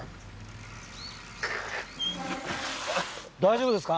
大丈夫ですか？